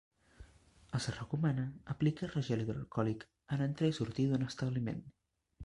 Es recomana aplicar-se gel hidroalcohòlic en entrar i sortir d'un establiment.